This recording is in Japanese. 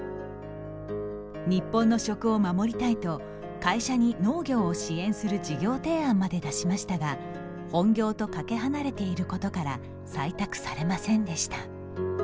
日本の食を守りたいと会社に農業を支援する事業提案まで出しましたが本業とかけ離れていることから採択されませんでした。